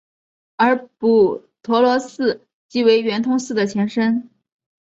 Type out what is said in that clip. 而补陀罗寺即为圆通寺的前身。